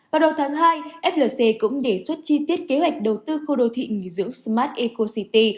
vào đầu tháng hai flc cũng đề xuất chi tiết kế hoạch đầu tư khu đô thị nghỉ dưỡng smart eco city